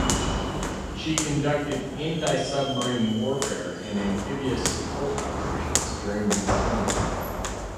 She conducted anti-submarine warfare and amphibious support operations during the deployment.